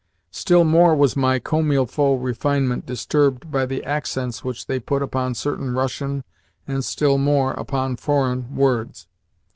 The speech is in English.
Still more was my "comme il faut" refinement disturbed by the accents which they put upon certain Russian and, still more, upon foreign words.